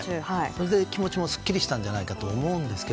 それで気持ちもすっきりしたんじゃないかと思うんですが。